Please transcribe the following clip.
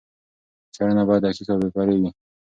څېړنه باید دقیق او بې پرې وي.